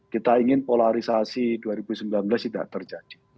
kita ingin polarisasi dua ribu sembilan belas tidak terjadi